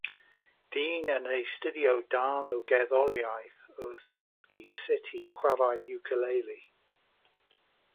Dyn yn astudio darn o gerddoriaeth wrth ddysgu sut i chwarae'r iwcalili.